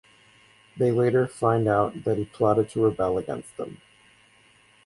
They later find out that he plotted to rebel against them.